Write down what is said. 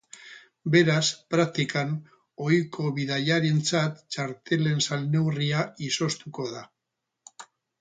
Beraz, praktikan, ohiko bidaiarientzat txartelen salneurria izoztuko da.